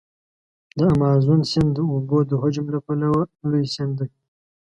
د امازون سیند د اوبو د حجم له پلوه لوی سیند دی.